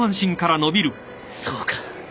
そうか